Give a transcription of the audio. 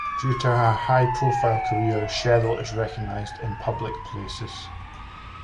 Due to her high profile career, Cheryl is recognized in public places.